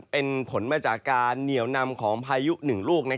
เป็นผลมาจากการเหนียวนำของพายุหนึ่งลูก